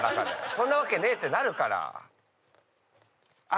そんなわけねえってなるから。